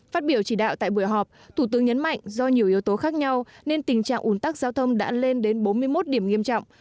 phát biểu chỉ đạo tại buổi họp thủ tướng nhấn mạnh do nhiều yếu tố khác nhau nên tình trạng ủn tắc giao thông đã lên đến bốn mươi một điểm nghiêm trọng